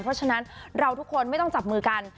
เพราะฉะนั้นเราทุกคนไม่ต้องจับมือกัน